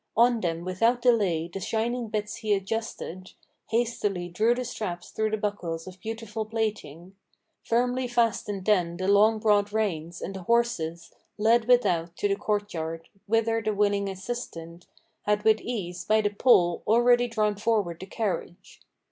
On them without delay the shining bits he adjusted, Hastily drew the straps through the buckles of beautiful plating, Firmly fastened then the long broad reins, and the horses Led without to the court yard, whither the willing assistant Had with ease, by the pole, already drawn forward the carriage.